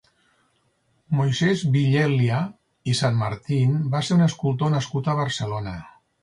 Moisès Villèlia i Sanmartín va ser un escultor nascut a Barcelona.